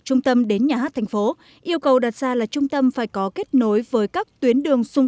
trung tâm đến nhà hát thành phố yêu cầu đặt ra là trung tâm phải có kết nối với các tuyến đường xung